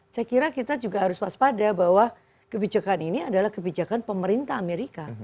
saya kira kita juga harus waspada bahwa kebijakan ini adalah kebijakan pemerintah amerika